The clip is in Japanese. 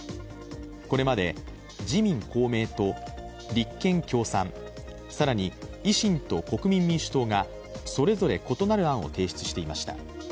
これまで自民・公明と立憲・共産、更に維新と国民民主党がそれぞれ異なる案を提出していました。